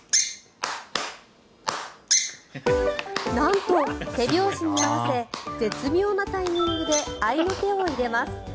なんと、手拍子に合わせ絶妙なタイミングで合いの手を入れます。